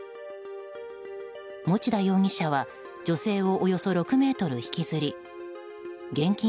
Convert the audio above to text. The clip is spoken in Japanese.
持田容疑者は女性をおよそ６ｍ引きずり現金